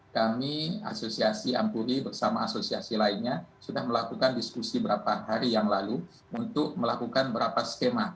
kami asosiasi ampuri bersama asosiasi lainnya sudah melakukan diskusi beberapa hari yang lalu untuk melakukan beberapa skema